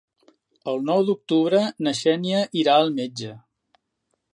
El nou d'octubre na Xènia irà al metge.